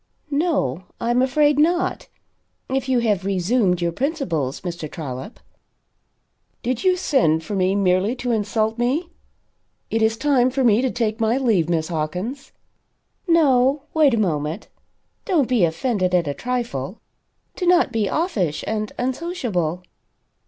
"No, I am afraid not if you have resumed your principles, Mr. Trollop." "Did you send for me merely to insult me? It is time for me to take my leave, Miss Hawkins." "No wait a moment. Don't be offended at a trifle. Do not be offish and unsociable.